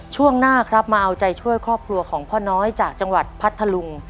ช่วงหน้าครับมาเอาใจช่วยครอบครัวของพ่อน้อยจากจังหวัดพัทธลุง